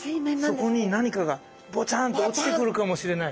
そこに何かがぼちゃんと落ちてくるかもしれない。